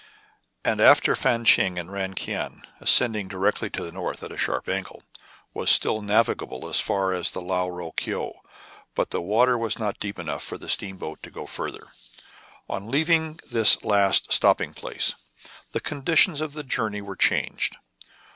And after Fan Tcheng the Ran Kiang, ascend ing directly to the north at a sharp angle, was still navigable as far as Lao Ro Keou. But the 126 TRIBULATIONS OF A CHINAMAN. water was not deep enough for the steamboat to go farther. On leaving this last stopping place, the condi tions of the journey were changed.